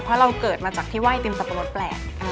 เพราะเราเกิดมาจากที่ไห้เต็มสับปะรดแปลก